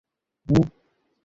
শীতকাল বেশ দীর্ঘ।